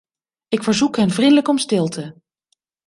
Ik verzoek hen vriendelijk om stilte!